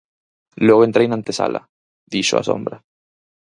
Logo entrei na antesala –dixo a sombra–.